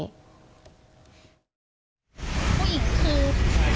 ผู้หญิงคือทาไปที่ทาไปทานจังหวัด